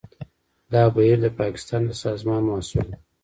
دا بهیر د پاکستان د سازمان محصول و.